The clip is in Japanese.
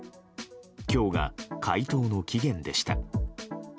今日が回答の期限でした。